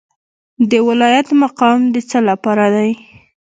د ولایت مقام د څه لپاره دی؟